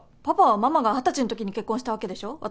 パパはママが二十歳のときに結婚したわけでしょ？